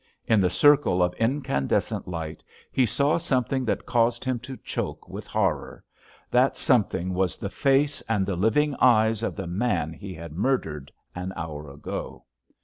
In the circle of incandescent light he saw something that caused him to choke with horror—that something was the face and the living eyes of the man he had murdered an hour ago.